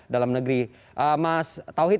dalam negeri mas tauhid